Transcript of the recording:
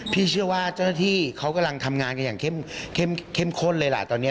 พี่เชื่อว่าเจ้าหน้าที่เขากำลังทำงานกันอย่างเข้มข้นเลยล่ะตอนนี้